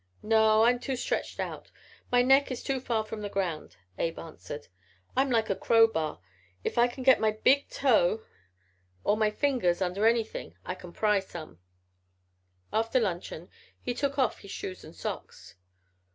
"No, I'm too stretched out my neck is too far from the ground," Abe answered. "I'm like a crowbar. If I can get my big toe or my fingers under anything I can pry some." After luncheon he took off his shoes and socks.